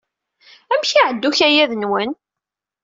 Amek ay iɛedda ukayad-nwen?